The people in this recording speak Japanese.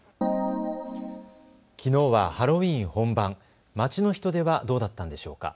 きのうはハロウィーン本番、街の人出はどうだったんでしょうか。